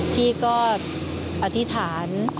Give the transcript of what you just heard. พี่ก็อธิษฐาน